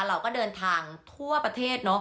เราก็เดินทางทั่วประเทศเนอะ